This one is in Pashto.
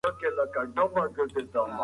دا منابع د هېواد په اقتصادي وده کي مهم دي.